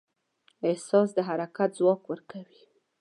احساس د حرکت ځواک ورکوي.